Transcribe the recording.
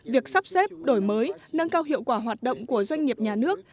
việc sắp xếp đổi mới nâng cao hiệu quả hoạt động của doanh nghiệp nhà nước